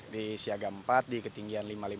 di siaga empat di ketinggian lima ratus lima puluh